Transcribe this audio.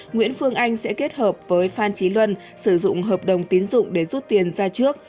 nguyễn phương anh sẽ kết hợp với phan trí luân sử dụng hợp đồng tiến dụng để rút tiền ra trước